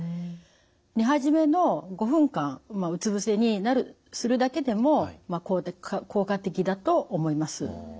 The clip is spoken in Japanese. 寝始めの５分間うつ伏せにするだけでも効果的だと思います。